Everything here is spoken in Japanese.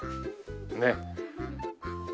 ねっ。